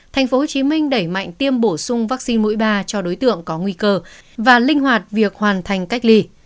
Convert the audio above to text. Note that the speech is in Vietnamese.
tp hcm đẩy mạnh tiêm bổ sung vaccine mũi ba cho đối tượng có nguy cơ và linh hoạt việc hoàn thành cách ly